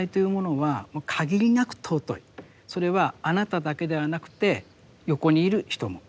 それはあなただけではなくて横にいる人も。